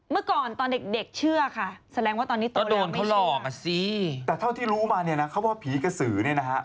เมื่อก่อนตอนเด็กเชื่อค่ะแสดงว่าตอนนี้โดนแล้วไม่เชื่อ